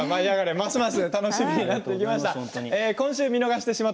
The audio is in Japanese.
ますます楽しみになりました。